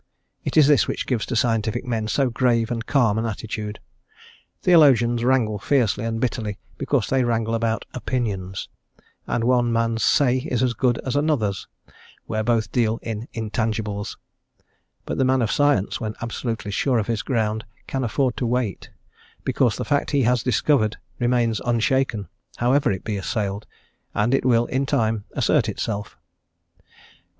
It is this which gives to scientific men so grave and calm an attitude; theologians wrangle fiercely and bitterly because they wrangle about opinions, and one man's say is as good as another's where both deal in intangibles; but the man of science, when absolutely sure of his ground, can afford to wait, because the fact he has discovered remains unshaken, however it be assailed, and it will, in time, assert itself.